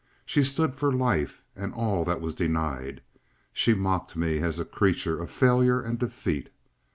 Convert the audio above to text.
She stood for life and all that was denied; she mocked me as a creature of failure and defeat.